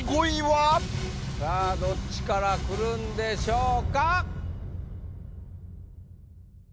さぁどっちからくるんでしょうか。